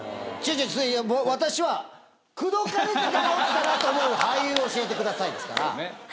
ちょいや私は「口説かれてたら落ちたなと思う俳優を教えてください」ですから。